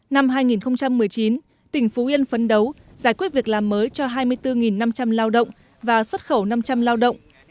năm hai nghìn một mươi chín tỉnh phú yên phấn đấu giải quyết việc làm mới cho hai mươi bốn năm trăm linh lao động và xuất khẩu năm trăm linh lao động